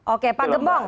oke pak gembong